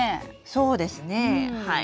そうですねはい。